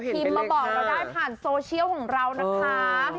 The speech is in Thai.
มาบอกเราได้ผ่านโซเชียลของเรานะคะ